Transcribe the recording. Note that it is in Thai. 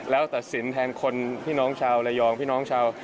แล้วตัดสินแทนคนพี่น้องชาวระยองพี่น้องชาว